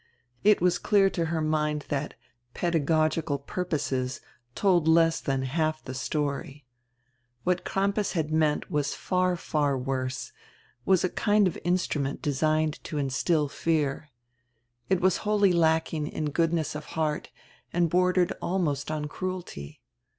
It was clear to her mind that "pedagogical purposes' told less than half the story. What Crampas had meant was far, far worse, was a kind of instrument designed to instill fear. It was wholly lacking in goodness of heart and bordered almost on cruelty.